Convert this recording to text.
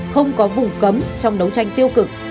không có vùng cấm trong đấu tranh tiêu cực